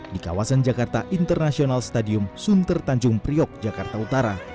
di kawasan jakarta international stadium suntertanjung priok jakarta utara